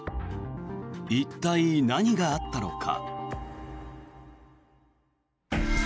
一体、何があったのか。